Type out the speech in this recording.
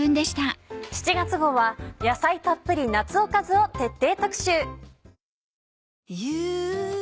７月号は「野菜たっぷり夏おかず」を徹底特集。